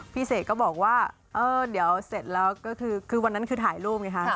เสกก็บอกว่าเออเดี๋ยวเสร็จแล้วก็คือวันนั้นคือถ่ายรูปไงฮะ